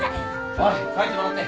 おい帰ってもらって。